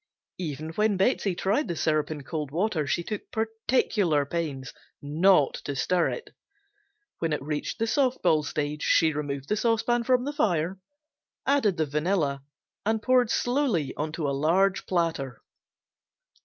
Even when Betsey tried the syrup in cold water she took particular pains not to stir it; when it reached the soft ball stage she removed the saucepan from the fire, added the vanilla and poured slowly on to a large platter.